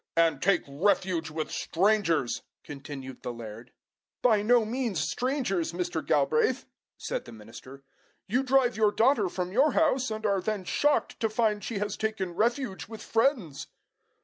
" and take refuge with strangers!" continued the laird. "By no means strangers, Mr. Galbraith!" said the minister. "You drive your daughter from your house, and are then shocked to find she has taken refuge with friends!"